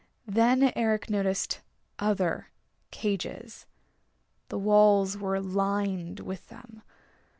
Then Eric noticed other cages. The walls were lined with them.